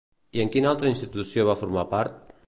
I en quina altra institució va formar part?